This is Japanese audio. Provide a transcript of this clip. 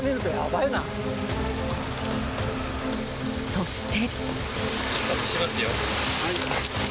そして。